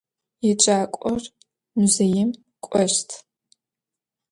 Yêcak'or muzêim k'oşt.